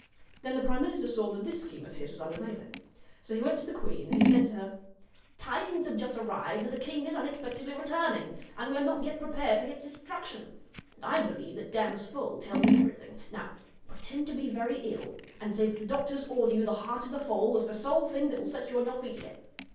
Then the prime minister saw that this scheme of his was unavailing. So he went to the queen and he said to her: 'Tidings have just arrived that the king is unexpectedly returning; and we are not yet prepared for his destruction ; and I believe that Dan's foal tells him everything. Now pretend to be very ill, and say that the doctors order you the heart of the foal as the sole thing that will set you on your feet again.'